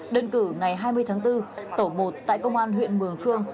đơn cử ngày hai mươi tháng bốn tổ một tại công an huyện mường khương